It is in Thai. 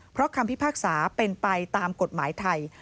เพราะคำพิพากษาเป็นไปตามกฎหมายไทย